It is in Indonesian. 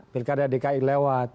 pilkada dki lewat